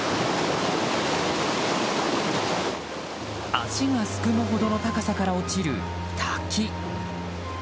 足がすくむほどの高さから落ちる滝。